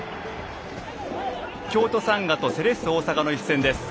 京都サンガとセレッソ大阪の試合です。